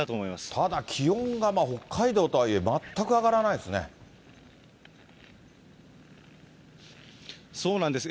ただ気温が北海道とはいえ、全く上がらないですね。